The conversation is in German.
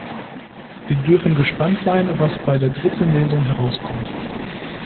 Wir dürfen gespannt sein, was bei der dritten Lesung herauskommt.